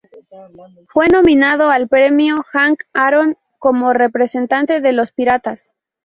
Fue nominado al Premio Hank Aaron como representante de los Piratas.